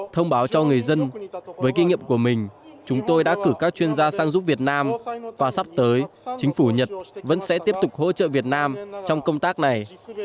thông báo cho người dân với kinh nghiệm của mình chúng tôi đã cử các chuyên gia sang giúp việt nam và sắp tới chính phủ nhật vẫn sẽ tiếp tục hỗ trợ việt nam trong công tác này